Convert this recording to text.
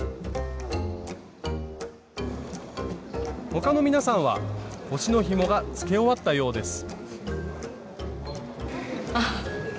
他の皆さんは「腰のひも」がつけ終わったようです